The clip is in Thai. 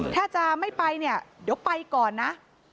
ถ้าจะไม่ไปเนี่ยเดี๋ยวไปก่อนนะ